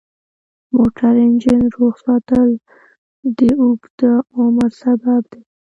د موټر انجن روغ ساتل د اوږده عمر سبب دی.